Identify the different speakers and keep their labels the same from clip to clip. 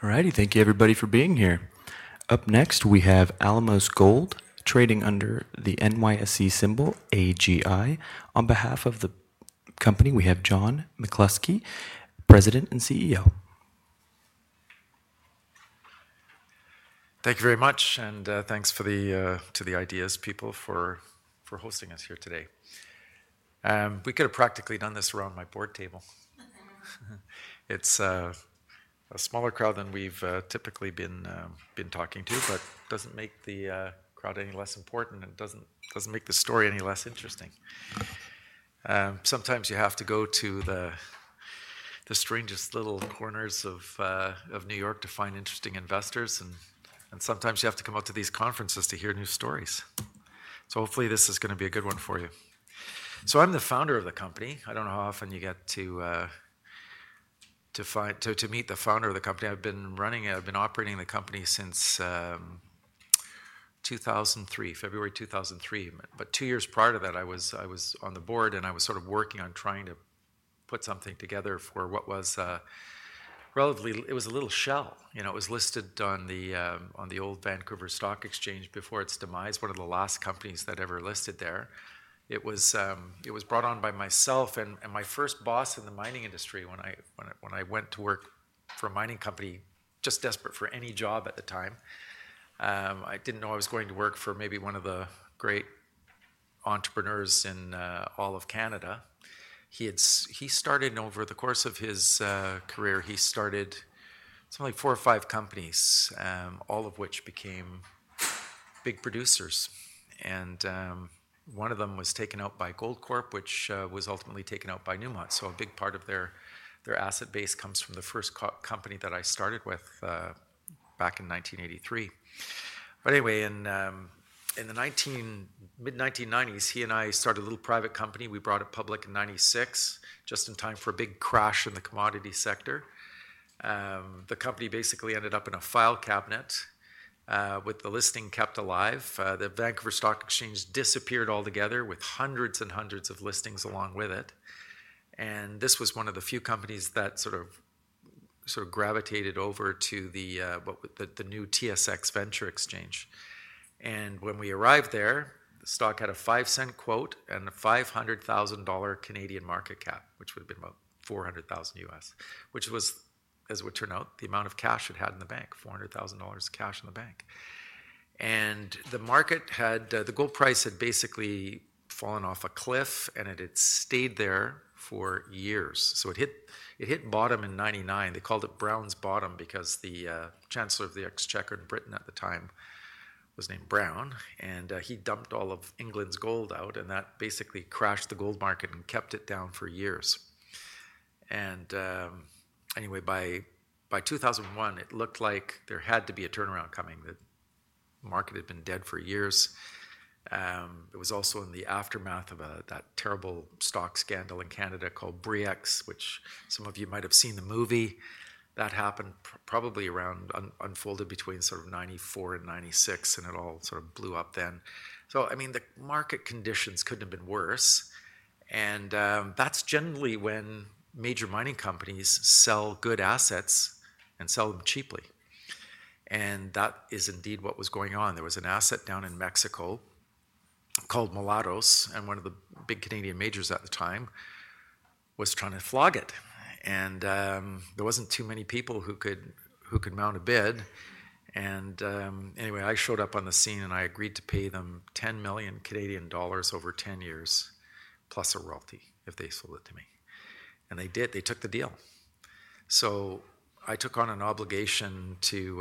Speaker 1: Alrighty, thank you everybody for being here. Up next we have Alamos Gold, trading under the NYSE symbol AGI. On behalf of the company, we have John McCluskey, President and CEO.
Speaker 2: Thank you very much, and thanks to the Ideas people for hosting us here today. We could have practically done this around my board table. It's a smaller crowd than we've typically been talking to, but it doesn't make the crowd any less important and it doesn't make the story any less interesting. Sometimes you have to go to the strangest little corners of New York to find interesting investors, and sometimes you have to come out to these conferences to hear new stories. Hopefully this is going to be a good one for you. I'm the founder of the company. I don't know how often you get to meet the founder of the company. I've been running, I've been operating the company since 2003, February 2003. Two years prior to that, I was on the board and I was sort of working on trying to put something together for what was relatively, it was a little shell. You know, it was listed on the old Vancouver Stock Exchange before its demise, one of the last companies that ever listed there. It was brought on by myself and my first boss in the mining industry when I went to work for a mining company, just desperate for any job at the time. I didn't know I was going to work for maybe one of the great entrepreneurs in all of Canada. He started over the course of his career, he started something like four or five companies, all of which became big producers. One of them was taken out by Goldcorp, which was ultimately taken out by Newmont. A big part of their asset base comes from the first company that I started with back in 1983. Anyway, in the mid-1990s, he and I started a little private company. We brought it public in 1996, just in time for a big crash in the commodity sector. The company basically ended up in a file cabinet with the listing kept alive. The Vancouver Stock Exchange disappeared altogether with hundreds and hundreds of listings along with it. This was one of the few companies that sort of gravitated over to the new TSX Venture Exchange. When we arrived there, the stock had a five-cent quote and a 500,000 Canadian dollars market cap, which would have been about $400,000, which was, as it would turn out, the amount of cash it had in the bank, $400,000 cash in the bank. The market had, the gold price had basically fallen off a cliff and it had stayed there for years. It hit bottom in 1999. They called it Brown's bottom because the Chancellor of the Exchequer in Britain at the time was named Brown, and he dumped all of England's gold out, and that basically crashed the gold market and kept it down for years. By 2001, it looked like there had to be a turnaround coming. The market had been dead for years. It was also in the aftermath of that terrible stock scandal in Canada called Bre-X, which some of you might have seen the movie. That happened probably around, unfolded between sort of 1994 and 1996, and it all sort of blew up then. I mean, the market conditions could not have been worse. That is generally when major mining companies sell good assets and sell them cheaply. That is indeed what was going on. There was an asset down in Mexico called Mulatos, and one of the big Canadian majors at the time was trying to flog it. There were not too many people who could mount a bid. Anyway, I showed up on the scene and I agreed to pay them 10 million Canadian dollars over 10 years, plus a royalty if they sold it to me. They did, they took the deal. I took on an obligation to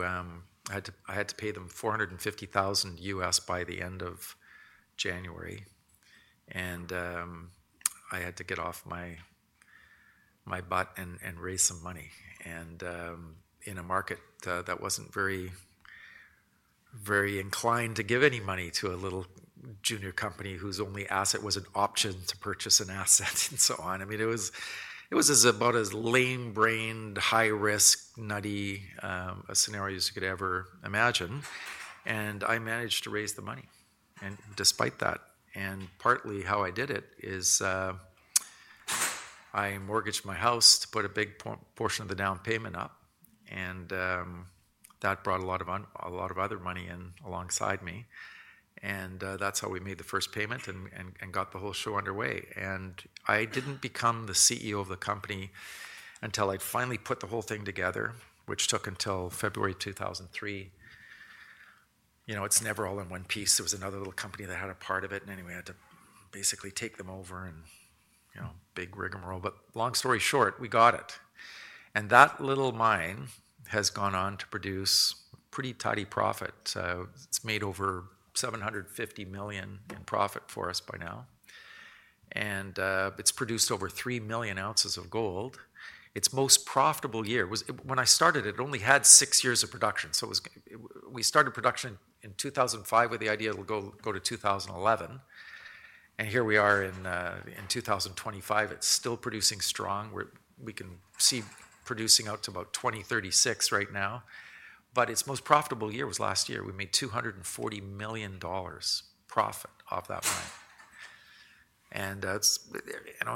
Speaker 2: pay them $450,000 by the end of January. I had to get off my butt and raise some money. In a market that was not very inclined to give any money to a little junior company whose only asset was an option to purchase an asset and so on. I mean, it was about as lame-brained, high-risk, nutty scenarios you could ever imagine. I managed to raise the money despite that. Partly how I did it is I mortgaged my house to put a big portion of the down payment up, and that brought a lot of other money in alongside me. That is how we made the first payment and got the whole show underway. I did not become the CEO of the company until I finally put the whole thing together, which took until February 2003. You know, it is never all in one piece. There was another little company that had a part of it. Anyway, I had to basically take them over and, you know, big rigmarole. Long story short, we got it. That little mine has gone on to produce a pretty tidy profit. It's made over $750 million in profit for us by now. It's produced over 3 million ounces of gold. Its most profitable year, when I started it, it only had six years of production. We started production in 2005 with the idea it'll go to 2011. Here we are in 2025, it's still producing strong. We can see producing out to about 2036 right now. Its most profitable year was last year. We made $240 million profit off that mine. In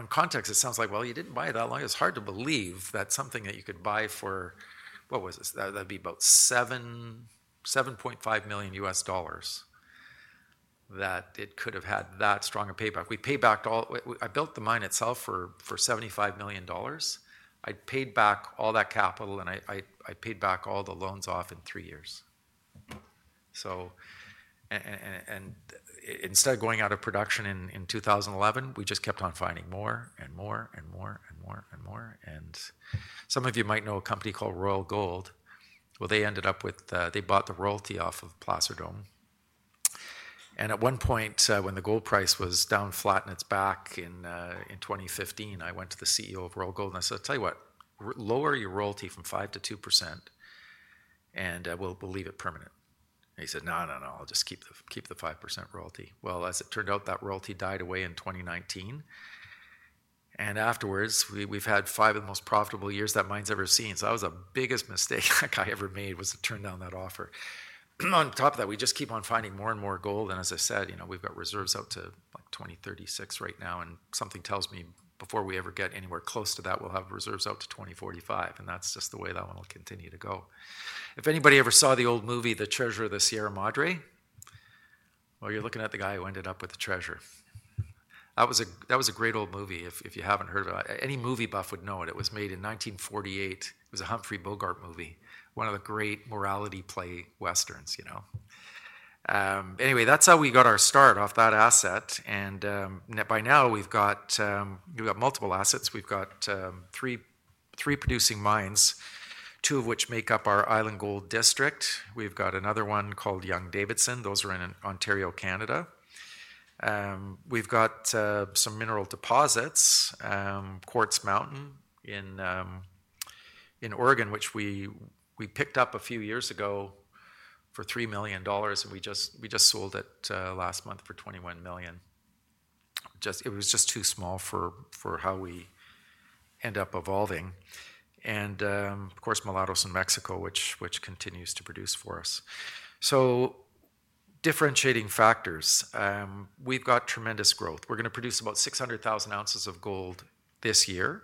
Speaker 2: context, it sounds like, you didn't buy it that long. It's hard to believe that something that you could buy for, what was it, that'd be about $7.5 million that it could have had that strong a payback. We paid back all, I built the mine itself for $75 million. I paid back all that capital and I paid back all the loans off in three years. Instead of going out of production in 2011, we just kept on finding more and more and more and more and more. Some of you might know a company called Royal Gold. They ended up with, they bought the royalty off of Placer Dome. At one point when the gold price was down flat on its back in 2015, I went to the CEO of Royal Gold and I said, "I'll tell you what, lower your royalty from 5% to 2% and we'll leave it permanent." He said, "No, no, no, I'll just keep the 5% royalty." As it turned out, that royalty died away in 2019. Afterwards, we've had five of the most profitable years that mine's ever seen. That was the biggest mistake that guy ever made, to turn down that offer. On top of that, we just keep on finding more and more gold. As I said, you know, we've got reserves out to like 2036 right now. Something tells me before we ever get anywhere close to that, we'll have reserves out to 2045. That's just the way that one will continue to go. If anybody ever saw the old movie, The Treasure of the Sierra Madre, you're looking at the guy who ended up with the treasure. That was a great old movie. If you haven't heard of it, any movie buff would know it. It was made in 1948. It was a Humphrey Bogart movie, one of the great morality play westerns, you know. Anyway, that's how we got our start off that asset. By now, we've got multiple assets. We've got three producing mines, two of which make up our Island Gold District. We've got another one called Young-Davidson. Those are in Ontario, Canada. We've got some mineral deposits, Quartz Mountain in Oregon, which we picked up a few years ago for $3 million. We just sold it last month for $21 million. It was just too small for how we end up evolving. Of course, Mulatos in Mexico, which continues to produce for us. Differentiating factors, we've got tremendous growth. We're going to produce about 600,000 ounces of gold this year.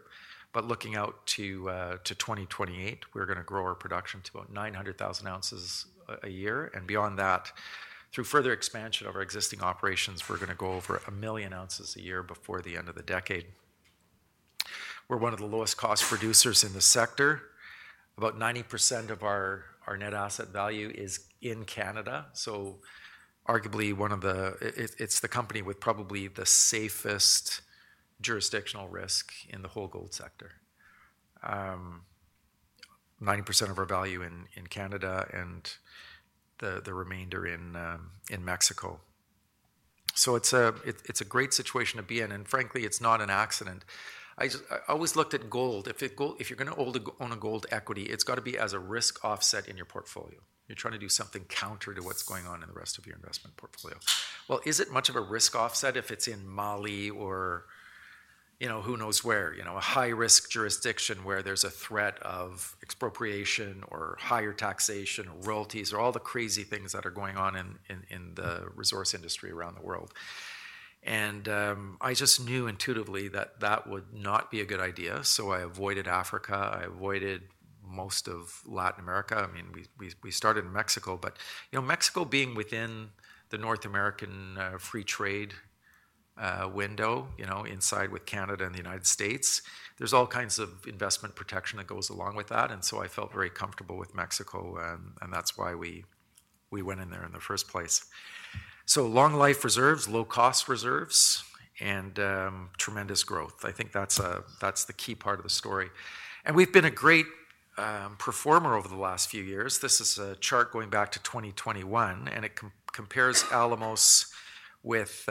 Speaker 2: Looking out to 2028, we're going to grow our production to about 900,000 ounces a year. Beyond that, through further expansion of our existing operations, we're going to go over 1 million ounces a year before the end of the decade. We're one of the lowest cost producers in the sector. About 90% of our net asset value is in Canada. Arguably, it's the company with probably the safest jurisdictional risk in the whole gold sector. 90% of our value in Canada and the remainder in Mexico. It's a great situation to be in. Frankly, it's not an accident. I always looked at gold. If you're going to own a gold equity, it's got to be as a risk offset in your portfolio. You're trying to do something counter to what's going on in the rest of your investment portfolio. Is it much of a risk offset if it's in Mali or, you know, who knows where, you know, a high-risk jurisdiction where there's a threat of expropriation or higher taxation or royalties or all the crazy things that are going on in the resource industry around the world. I just knew intuitively that that would not be a good idea. I avoided Africa. I avoided most of Latin America. I mean, we started in Mexico, but you know, Mexico being within the North American Free Trade Window, you know, inside with Canada and the United States, there is all kinds of investment protection that goes along with that. I felt very comfortable with Mexico. That is why we went in there in the first place. Long life reserves, low cost reserves, and tremendous growth. I think that is the key part of the story. We have been a great performer over the last few years. This is a chart going back to 2021. It compares Alamos with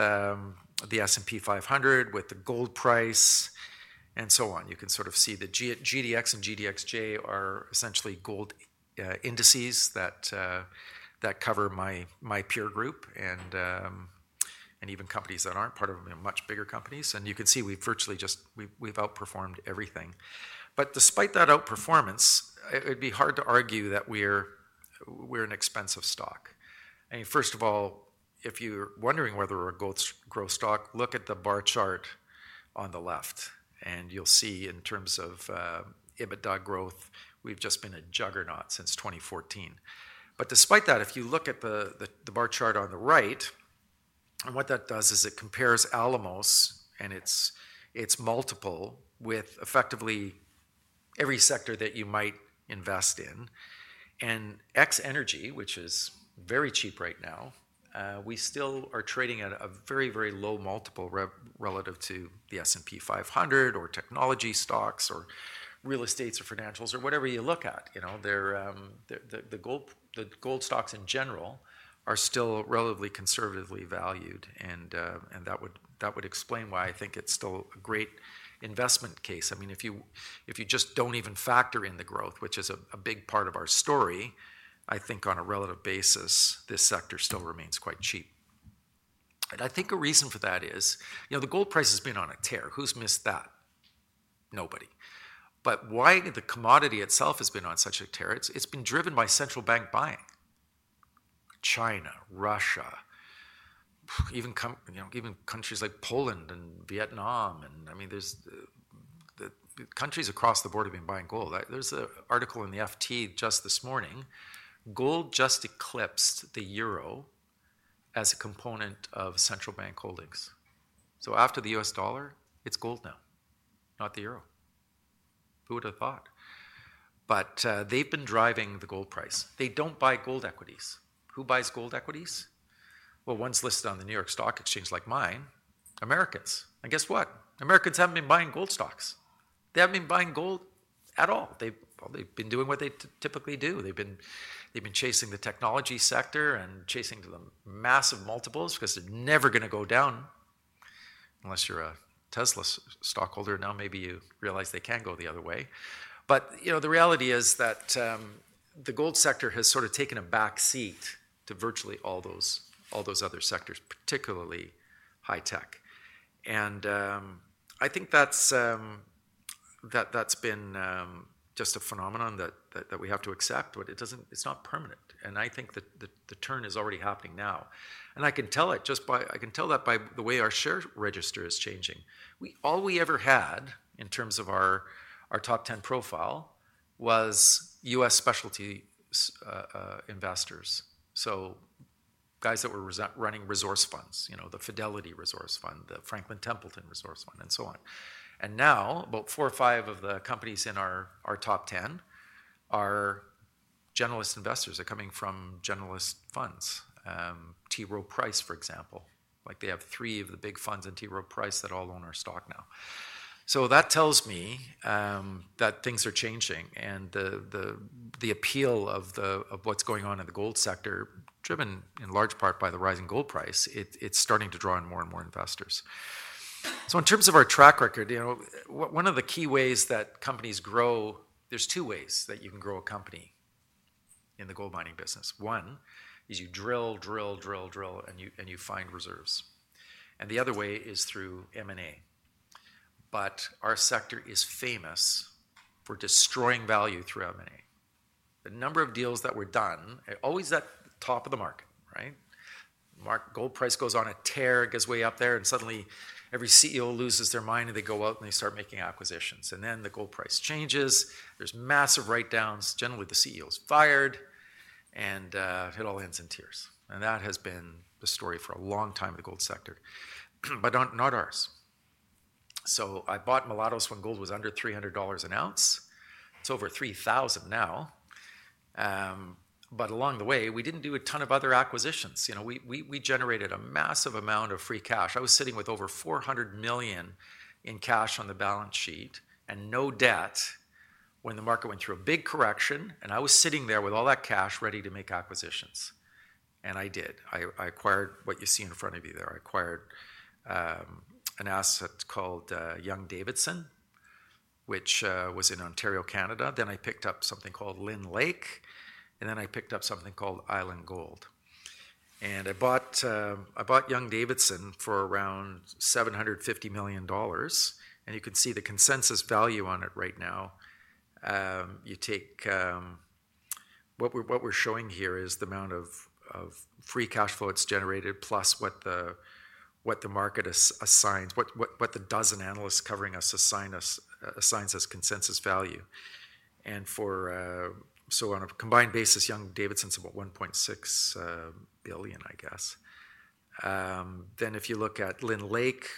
Speaker 2: the S&P 500, with the gold price and so on. You can sort of see the GDX and GDXJ are essentially gold indices that cover my peer group and even companies that are not part of them, much bigger companies. You can see we have virtually just, we have outperformed everything. But despite that outperformance, it'd be hard to argue that we're an expensive stock. I mean, first of all, if you're wondering whether we're a growth stock, look at the bar chart on the left and you'll see in terms of EBITDA growth, we've just been a juggernaut since 2014. But despite that, if you look at the bar chart on the right, what that does is it compares Alamos and its multiple with effectively every sector that you might invest in. And X Energy, which is very cheap right now, we still are trading at a very, very low multiple relative to the S&P 500 or technology stocks or real estate or financials or whatever you look at. You know, the gold stocks in general are still relatively conservatively valued. And that would explain why I think it's still a great investment case. I mean, if you just don't even factor in the growth, which is a big part of our story, I think on a relative basis, this sector still remains quite cheap. I think a reason for that is, you know, the gold price has been on a tear. Who's missed that? Nobody. Why the commodity itself has been on such a tear? It's been driven by central bank buying. China, Russia, even countries like Poland and Vietnam. I mean, there's countries across the board have been buying gold. There's an article in the FT just this morning. Gold just eclipsed the euro as a component of central bank holdings. After the US dollar, it's gold now, not the euro. Who would have thought? They've been driving the gold price. They don't buy gold equities. Who buys gold equities? One's listed on the New York Stock Exchange like mine, Americans. And guess what? Americans haven't been buying gold stocks. They haven't been buying gold at all. They've been doing what they typically do. They've been chasing the technology sector and chasing the massive multiples because they're never going to go down unless you're a Tesla stockholder. Now maybe you realize they can go the other way. But you know, the reality is that the gold sector has sort of taken a backseat to virtually all those other sectors, particularly high tech. I think that's been just a phenomenon that we have to accept, but it's not permanent. I think that the turn is already happening now. I can tell it just by, I can tell that by the way our share register is changing. All we ever had in terms of our top 10 profile was U.S. specialty investors. Guys that were running resource funds, you know, the Fidelity Resource Fund, the Franklin Templeton Resource Fund, and so on. Now about four or five of the companies in our top 10 are generalist investors that are coming from generalist funds. T. Rowe Price, for example, they have three of the big funds in T. Rowe Price that all own our stock now. That tells me that things are changing. The appeal of what is going on in the gold sector, driven in large part by the rising gold price, is starting to draw in more and more investors. In terms of our track record, you know, one of the key ways that companies grow, there are two ways that you can grow a company in the gold mining business. One is you drill, drill, drill, drill, and you find reserves. The other way is through M&A. Our sector is famous for destroying value through M&A. The number of deals that were done, always at the top of the market, right? Gold price goes on a tear, it goes way up there, and suddenly every CEO loses their mind and they go out and they start making acquisitions. The gold price changes. There are massive write-downs. Generally, the CEO is fired and it all ends in tears. That has been the story for a long time of the gold sector, but not ours. I bought Mulatos when gold was under $300 an ounce. It is over $3,000 now. Along the way, we did not do a ton of other acquisitions. You know, we generated a massive amount of free cash. I was sitting with over $400 million in cash on the balance sheet and no debt when the market went through a big correction. I was sitting there with all that cash ready to make acquisitions. I did. I acquired what you see in front of you there. I acquired an asset called Young-Davidson, which was in Ontario, Canada. I picked up something called Lynn Lake. I picked up something called Island Gold. I bought Young-Davidson for around $750 million. You can see the consensus value on it right now. You take what we are showing here is the amount of free cash flow it has generated plus what the market assigns, what the dozen analysts covering us assign as consensus value. On a combined basis, Young-Davidson is about $1.6 billion, I guess. If you look at Lynn Lake,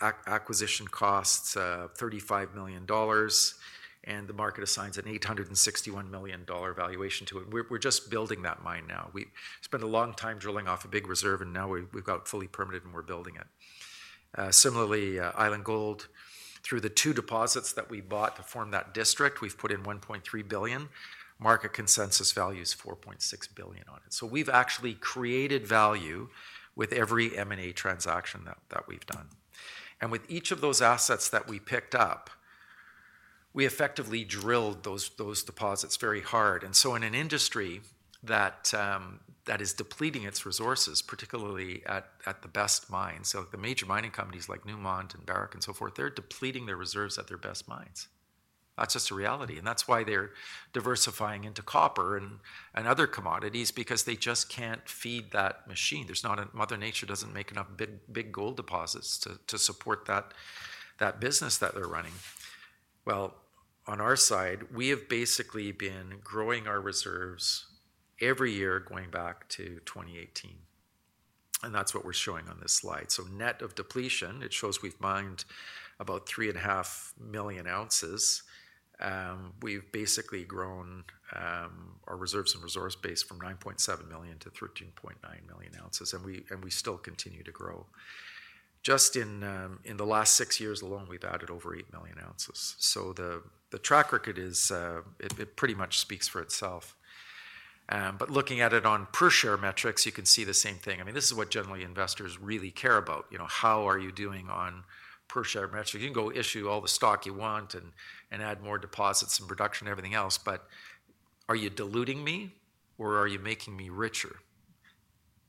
Speaker 2: acquisition costs $35 million. The market assigns an $861 million valuation to it. We're just building that mine now. We spent a long time drilling off a big reserve and now we've got it fully permitted and we're building it. Similarly, Island Gold, through the two deposits that we bought to form that district, we've put in $1.3 billion. Market consensus value is $4.6 billion on it. We've actually created value with every M&A transaction that we've done. With each of those assets that we picked up, we effectively drilled those deposits very hard. In an industry that is depleting its resources, particularly at the best mines, the major mining companies like Newmont and Barrick and so forth, they're depleting their reserves at their best mines. That's just a reality. That is why they are diversifying into copper and other commodities because they just cannot feed that machine. There is not a mother nature does not make enough big gold deposits to support that business that they are running. On our side, we have basically been growing our reserves every year going back to 2018. That is what we are showing on this slide. Net of depletion, it shows we have mined about 3.5 million ounces. We have basically grown our reserves and resource base from 9.7 million to 13.9 million ounces. We still continue to grow. Just in the last six years alone, we have added over 8 million ounces. The track record pretty much speaks for itself. Looking at it on per share metrics, you can see the same thing. I mean, this is what generally investors really care about. You know, how are you doing on per share metrics? You can go issue all the stock you want and add more deposits and production and everything else. But are you diluting me or are you making me richer?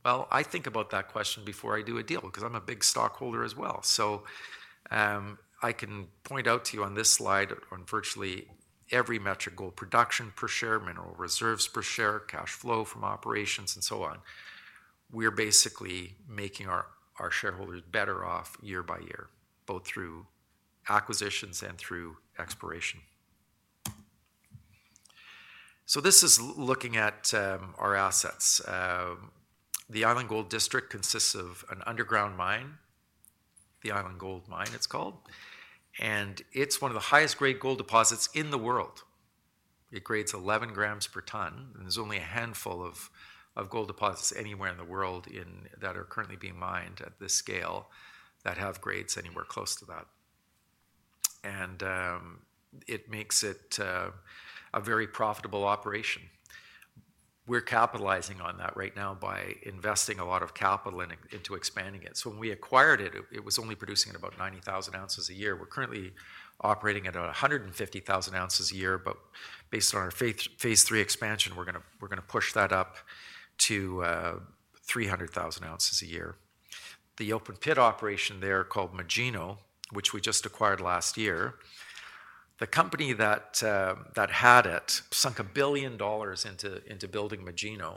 Speaker 2: I think about that question before I do a deal because I'm a big stockholder as well. I can point out to you on this slide on virtually every metric, gold production per share, mineral reserves per share, cash flow from operations and so on. We're basically making our shareholders better off year by year, both through acquisitions and through exploration. This is looking at our assets. The Island Gold District consists of an underground mine, the Island Gold Mine it's called. And it's one of the highest grade gold deposits in the world. It grades 11 grams per ton. There's only a handful of gold deposits anywhere in the world that are currently being mined at this scale that have grades anywhere close to that. It makes it a very profitable operation. We're capitalizing on that right now by investing a lot of capital into expanding it. When we acquired it, it was only producing about 90,000 ounces a year. We're currently operating at 150,000 ounces a year. Based on our Phase III Expansion, we're going to push that up to 300,000 ounces a year. The open pit operation there called Magino, which we just acquired last year, the company that had it sunk $1 billion into building Magino,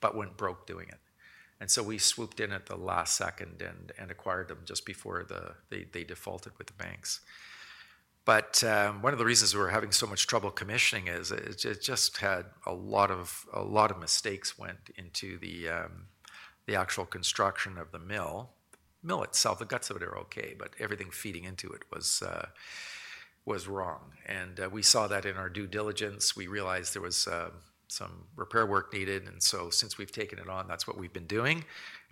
Speaker 2: but went broke doing it. We swooped in at the last second and acquired them just before they defaulted with the banks. One of the reasons we were having so much trouble commissioning is it just had a lot of mistakes went into the actual construction of the mill. The mill itself, the guts of it are okay, but everything feeding into it was wrong. We saw that in our due diligence. We realized there was some repair work needed. Since we've taken it on, that's what we've been doing.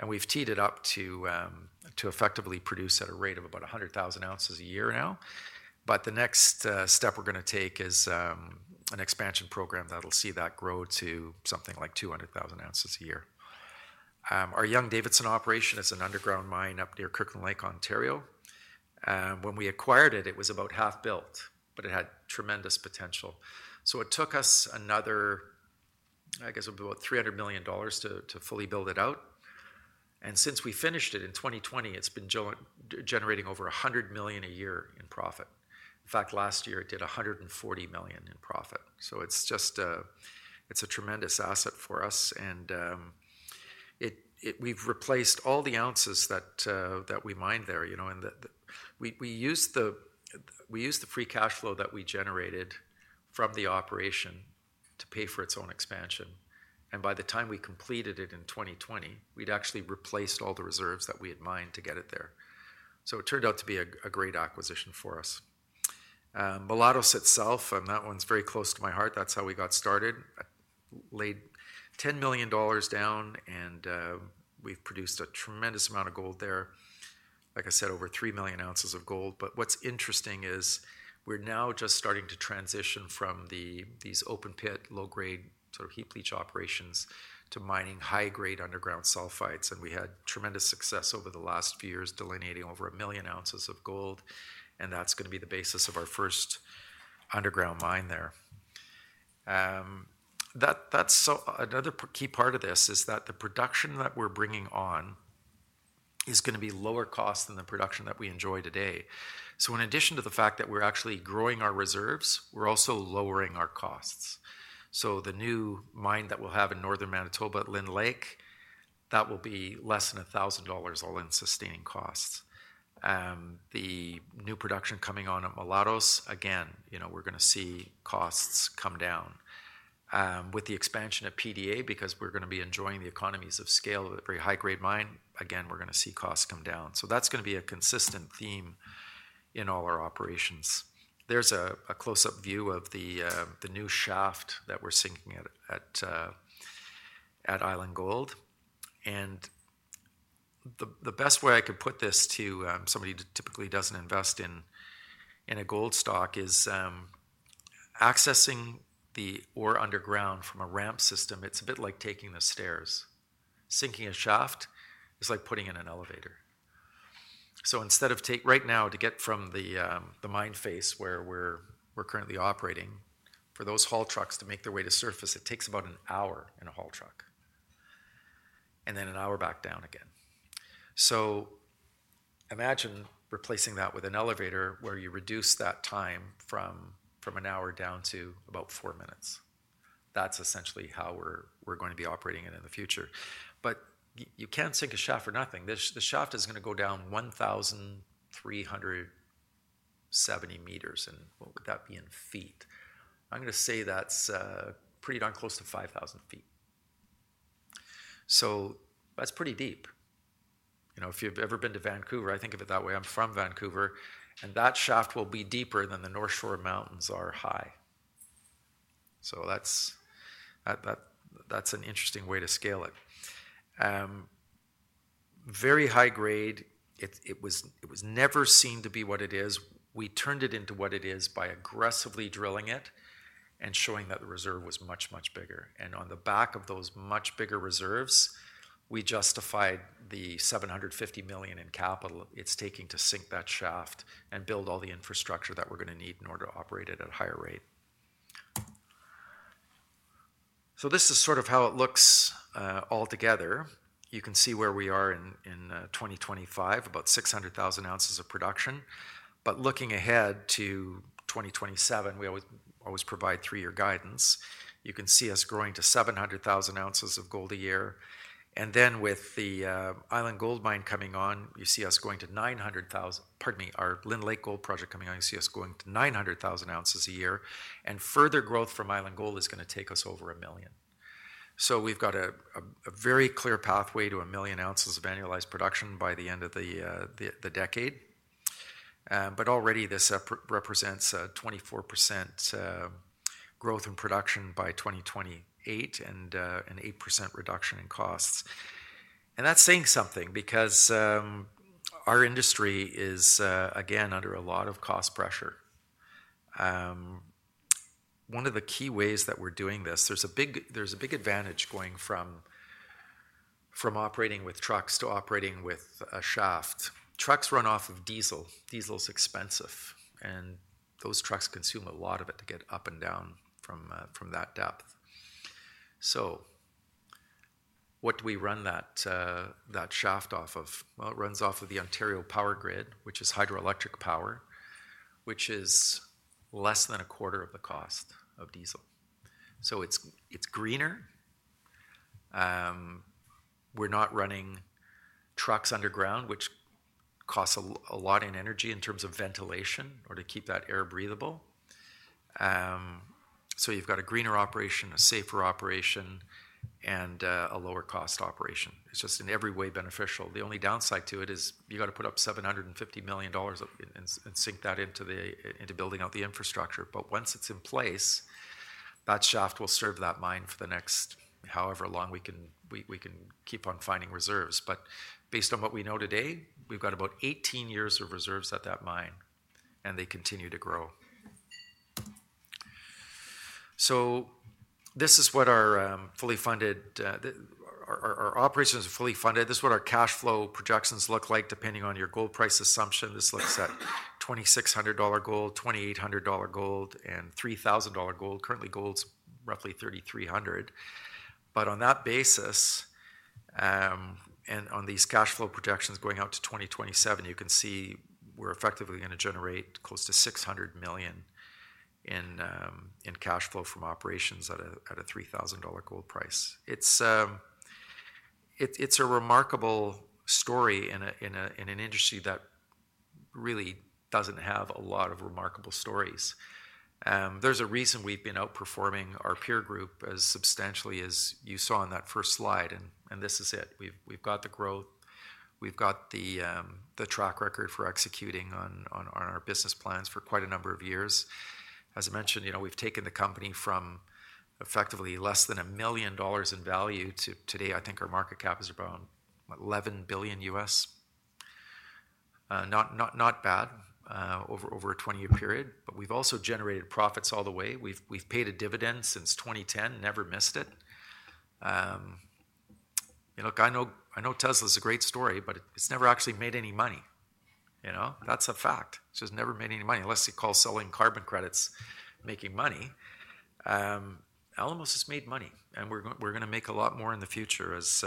Speaker 2: We've teed it up to effectively produce at a rate of about 100,000 ounces a year now. The next step we're going to take is an expansion program that'll see that grow to something like 200,000 ounces a year. Our Young-Davidson operation is an underground mine up near Kirkland Lake, Ontario. When we acquired it, it was about half built, but it had tremendous potential. It took us another, I guess it would be about $300 million to fully build it out. Since we finished it in 2020, it's been generating over $100 million a year in profit. In fact, last year it did $140 million in profit. It's just a tremendous asset for us. We've replaced all the ounces that we mine there. You know, we used the free cash flow that we generated from the operation to pay for its own expansion. By the time we completed it in 2020, we'd actually replaced all the reserves that we had mined to get it there. It turned out to be a great acquisition for us. Mulatos itself, and that one's very close to my heart. That's how we got started. Laid $10 million down and we've produced a tremendous amount of gold there. Like I said, over 3 million ounces of gold. What's interesting is we're now just starting to transition from these open-pit, low-grade sort of heap leach operations to mining high-grade underground sulfides. We had tremendous success over the last few years delineating over 1 million ounces of gold. That's going to be the basis of our first underground mine there. Another key part of this is that the production that we're bringing on is going to be lower cost than the production that we enjoy today. In addition to the fact that we're actually growing our reserves, we're also lowering our costs. The new mine that we'll have in Northern Manitoba, Lynn Lake, that will be less than $1,000 all-in sustaining costs. The new production coming on at Mulatos, again, you know, we're going to see costs come down. With the expansion of PDA, because we're going to be enjoying the economies of scale of a very high-grade mine, again, we're going to see costs come down. That is going to be a consistent theme in all our operations. There is a close-up view of the new shaft that we're sinking at Island Gold. The best way I could put this to somebody who typically doesn't invest in a gold stock is accessing the ore underground from a ramp system. It's a bit like taking the stairs. Sinking a shaft is like putting in an elevator. Instead of taking right now to get from the mine face where we're currently operating for those haul trucks to make their way to surface, it takes about an hour in a haul truck, and then an hour back down again. Imagine replacing that with an elevator where you reduce that time from an hour down to about four minutes. That is essentially how we are going to be operating it in the future. You cannot sink a shaft for nothing. The shaft is going to go down 1,370 meters. What would that be in feet? I am going to say that is pretty darn close to 5,000 feet. That is pretty deep. You know, if you have ever been to Vancouver, I think of it that way. I am from Vancouver. That shaft will be deeper than the North Shore Mountains are high. That is an interesting way to scale it. Very high-grade. It was never seen to be what it is. We turned it into what it is by aggressively drilling it and showing that the reserve was much, much bigger. On the back of those much bigger reserves, we justified the $750 million in capital it's taking to sink that shaft and build all the infrastructure that we're going to need in order to operate at a higher rate. This is sort of how it looks altogether. You can see where we are in 2025, about 600,000 ounces of production. Looking ahead to 2027, we always provide three-year guidance. You can see us growing to 700,000 ounces of gold a year. With the Island Gold mine coming on, you see us going to 900,000. Pardon me, our Lynn Lake gold project coming on, you see us going to 900,000 ounces a year. Further growth from Island Gold is going to take us over a million. We have a very clear pathway to a million ounces of annualized production by the end of the decade. Already, this represents 24% growth in production by 2028 and an 8% reduction in costs. That is saying something because our industry is, again, under a lot of cost pressure. One of the key ways that we are doing this, there is a big advantage going from operating with trucks to operating with a shaft. Trucks run off of diesel. Diesel is expensive. Those trucks consume a lot of it to get up and down from that depth. What do we run that shaft off of? It runs off of the Ontario Power Grid, which is hydroelectric power, which is less than a quarter of the cost of diesel. It is greener. We're not running trucks underground, which costs a lot in energy in terms of ventilation or to keep that air breathable. You have a greener operation, a safer operation, and a lower cost operation. It's just in every way beneficial. The only downside to it is you have to put up $750 million and sink that into building out the infrastructure. Once it's in place, that shaft will serve that mine for the next however long we can keep on finding reserves. Based on what we know today, we have about 18 years of reserves at that mine. They continue to grow. Our operations are fully funded. This is what our cash flow projections look like depending on your gold price assumption. This looks at $2,600 gold, $2,800 gold, and $3,000 gold. Currently, gold is roughly $3,300. On that basis and on these cash flow projections going out to 2027, you can see we're effectively going to generate close to $600 million in cash flow from operations at a $3,000 gold price. It's a remarkable story in an industry that really doesn't have a lot of remarkable stories. There's a reason we've been outperforming our peer group as substantially as you saw in that first slide. This is it. We've got the growth. We've got the track record for executing on our business plans for quite a number of years. As I mentioned, you know, we've taken the company from effectively less than $1 million in value to today, I think our market cap is around $11 billion US. Not bad over a 20-year period. We've also generated profits all the way. We've paid a dividend since 2010, never missed it. You know, I know Tesla is a great story, but it's never actually made any money. You know, that's a fact. It's just never made any money unless you call selling carbon credits making money. Alamos has made money. And we're going to make a lot more in the future as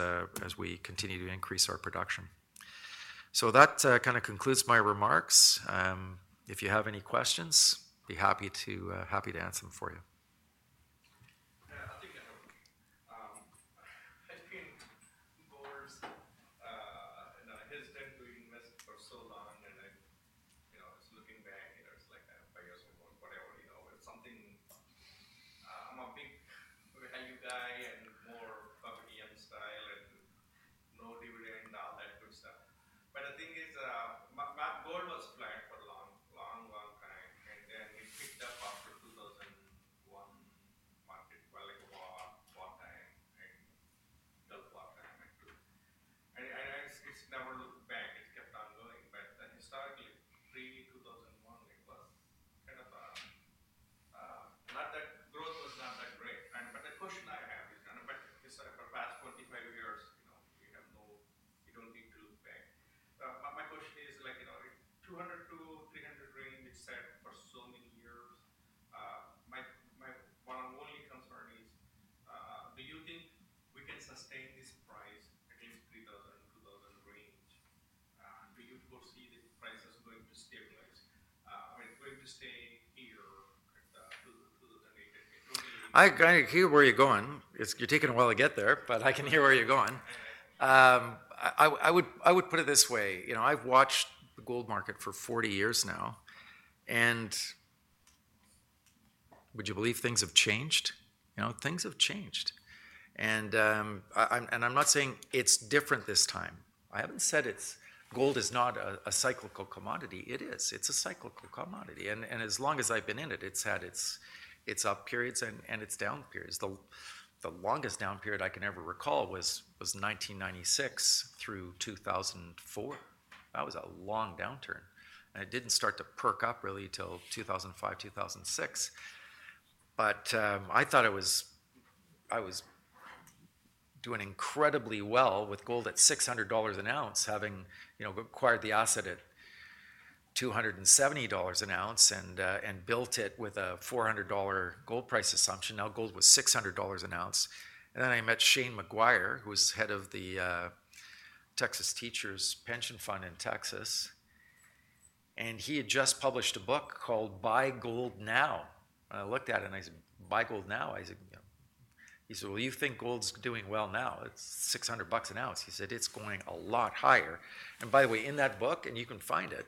Speaker 2: we continue to increase our production. That kind of concludes my remarks. If you have any questions, I'd be happy to answer them for you. gold is not a cyclical commodity. It is. It's a cyclical commodity. As long as I've been in it, it's had its up periods and its down periods. The longest down period I can ever recall was 1996 through 2004. That was a long downturn. It didn't start to perk up really until 2005, 2006. I thought I was doing incredibly well with gold at $600 an ounce, having, you know, acquired the asset at $270 an ounce and built it with a $400 gold price assumption. Now gold was $600 an ounce. Then I met Shane McGuire, who was head of the Texas Teachers' Pension Fund in Texas. He had just published a book called Buy Gold Now. I looked at it and I said, "Buy Gold Now?" He said, "You think gold's doing well now? It's $600 an ounce." He said, "It's going a lot higher." By the way, in that book, and you can find it,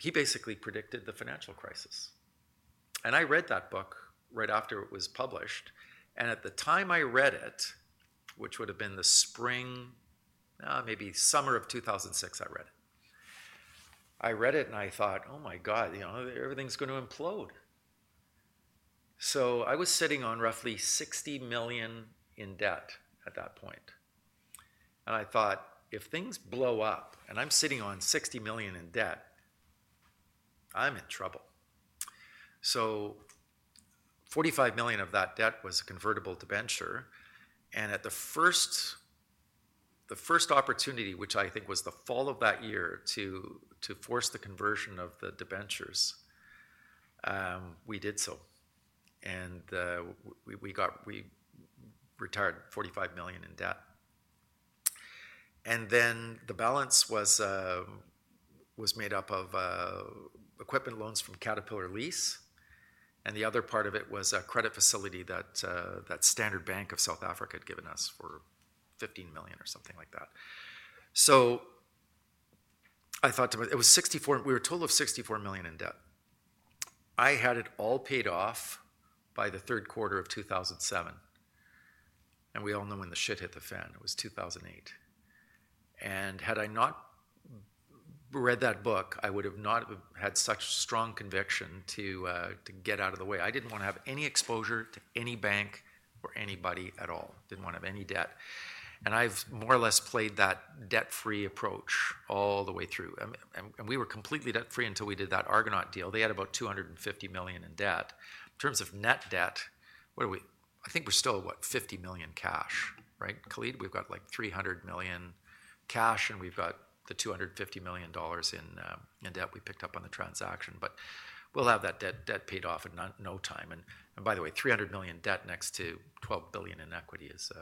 Speaker 2: he basically predicted the financial crisis. I read that book right after it was published. At the time I read it, which would have been the spring, maybe summer of 2006, I read it. I read it and I thought, "Oh my God, you know, everything's going to implode." I was sitting on roughly $60 million in debt at that point. I thought, "If things blow up and I'm sitting on $60 million in debt, I'm in trouble." $45 million of that debt was a convertible to venture. At the first opportunity, which I think was the fall of that year to force the conversion of the debentures, we did so. We retired $45 million in debt. The balance was made up of equipment loans from Caterpillar Lease. The other part of it was a credit facility that Standard Bank of South Africa had given us for $15 million or something like that. I thought to myself, it was $64 million, we were a total of $64 million in debt. I had it all paid off by the third quarter of 2007. We all know when the shit hit the fan, it was 2008. Had I not read that book, I would have not had such strong conviction to get out of the way. I did not want to have any exposure to any bank or anybody at all. Didn't want to have any debt. I've more or less played that debt-free approach all the way through. We were completely debt-free until we did that Argonaut deal. They had about $250 million in debt. In terms of net debt, I think we're still, what, $50 million cash, right? Khalid, we've got like $300 million cash and we've got the $250 million in debt we picked up on the transaction. We'll have that debt paid off in no time. By the way, $300 million debt next to $12 billion in equity is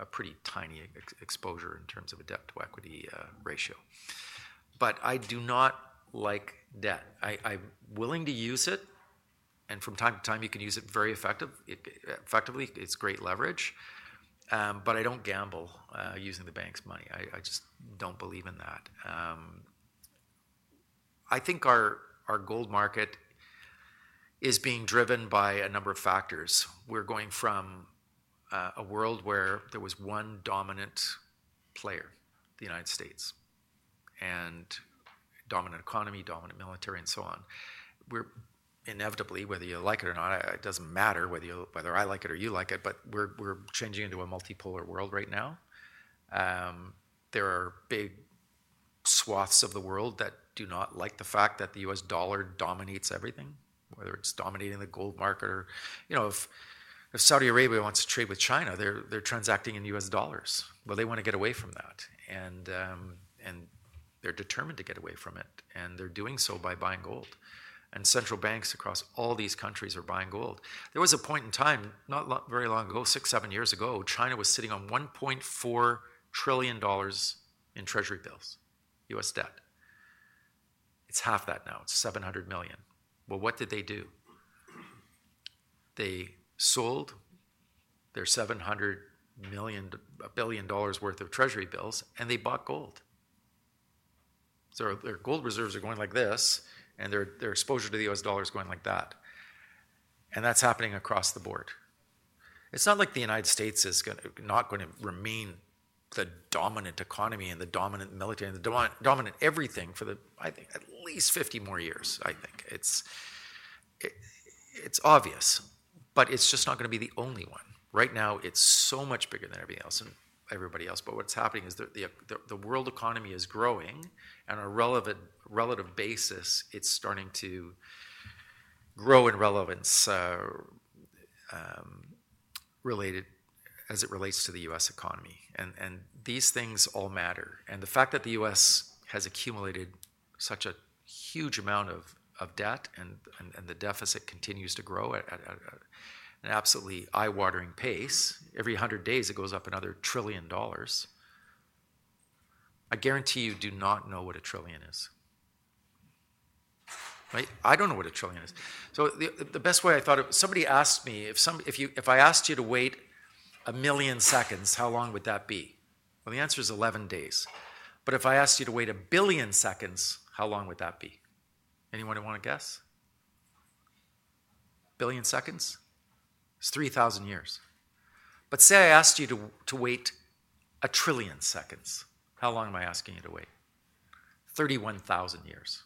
Speaker 2: a pretty tiny exposure in terms of a debt to equity ratio. I do not like debt. I'm willing to use it. From time to time, you can use it very effectively. It's great leverage. I don't gamble using the bank's money. I just don't believe in that. I think our gold market is being driven by a number of factors. We're going from a world where there was one dominant player, the United States, and dominant economy, dominant military, and so on. We're inevitably, whether you like it or not, it doesn't matter whether I like it or you like it, but we're changing into a multipolar world right now. There are big swaths of the world that do not like the fact that the U.S. dollar dominates everything, whether it's dominating the gold market or, you know, if Saudi Arabia wants to trade with China, they're transacting in U.S. dollars. They want to get away from that. They're determined to get away from it. They're doing so by buying gold. Central banks across all these countries are buying gold. There was a point in time, not very long ago, six, seven years ago, China was sitting on $1.4 trillion in Treasury Bills, U.S. debt. It's half that now. It's $700 billion. What did they do? They sold their $700 billion, a billion dollars worth of treasury bills, and they bought gold. Their gold reserves are going like this, and their exposure to the U.S. dollar is going like that. That's happening across the board. It's not like the United States is not going to remain the dominant economy and the dominant military and the dominant everything for at least 50 more years, I think. It's obvious, but it's just not going to be the only one. Right now, it's so much bigger than everybody else. What's happening is the world economy is growing. On a relative basis, it's starting to grow in relevance as it relates to the U.S. economy. These things all matter. The fact that the U.S. has accumulated such a huge amount of debt and the deficit continues to grow at an absolutely eye-watering pace, every 100 days it goes up another trillion dollars. I guarantee you do not know what a trillion is. I don't know what a trillion is. The best way I thought of, somebody asked me, if I asked you to wait a million seconds, how long would that be? The answer is 11 days. If I asked you to wait a billion seconds, how long would that be? Anyone want to guess? Billion seconds? It's 3,000 years. Say I asked you to wait a trillion seconds, how long am I asking you to wait? 31,000 years.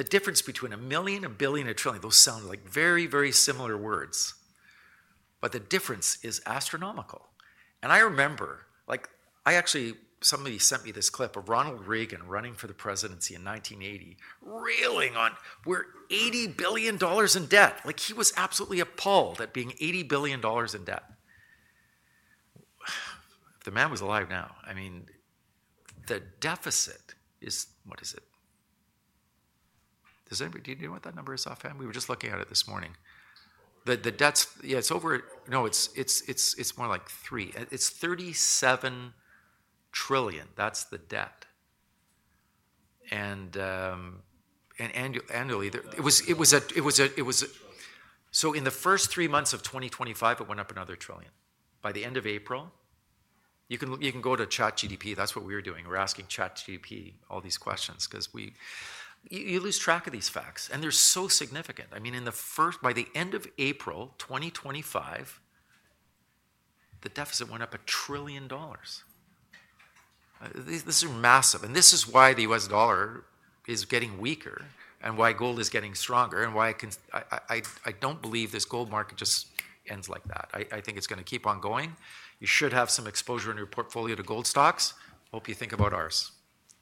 Speaker 2: The difference between a million, a billion, a trillion, those sound like very, very similar words. The difference is astronomical. I remember, like I actually, somebody sent me this clip of Ronald Reagan running for the presidency in 1980, railing on, "We're $80 billion in debt." He was absolutely appalled at being $80 billion in debt. If the man was alive now, I mean, the deficit is, what is it? Does anybody know what that number is offhand? We were just looking at it this morning. The debts, yeah, it's over, no, it's more like three. It's $37 trillion. That's the debt. Annually, it was a, so in the first three months of 2025, it went up another trillion. By the end of April, you can go to ChatGPT. That's what we were doing. We're asking ChatGPT all these questions because you lose track of these facts. And they're so significant. I mean, in the first, by the end of April 2025, the deficit went up $1 trillion. This is massive. And this is why the U.S. dollar is getting weaker and why gold is getting stronger and why I don't believe this gold market just ends like that. I think it's going to keep on going. You should have some exposure in your portfolio to gold stocks. Hope you think about ours.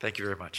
Speaker 2: Thank you very much.